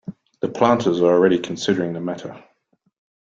The planters are already considering the matter.